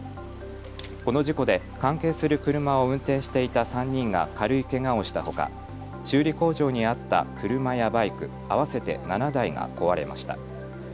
この事故で関係する車を運転していた３人が軽いけがをしたほか、修理工場にあった車やバイク合わせて７台が壊れました。